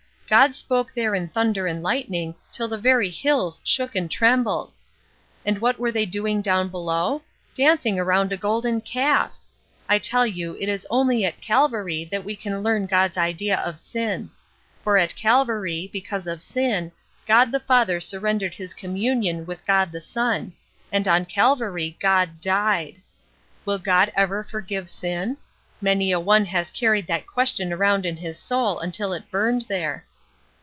God spoke there in thunder and lightning, till the very hills shook and trembled. "And what were they doing down below? Dancing around a golden calf! I tell you it is only at Calvary that we can learn God's idea of sin. For at Calvary, because of sin, God the Father surrendered his communion with God the Son, and on Calvary God died! Will God ever forgive sin? Many a one has carried that question around in his soul until it burned there."